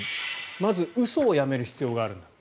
まず嘘をやめる必要があるんだと。